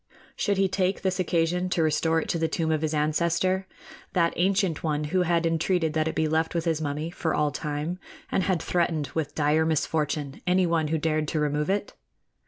Should he take this occasion to restore it to the tomb of his ancestor that ancient one who had entreated that it be left with his mummy for all time, and had threatened with dire misfortune anyone who dared to remove it?